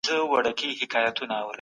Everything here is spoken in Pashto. اتباعو په ازاده توګه سفر کاوه.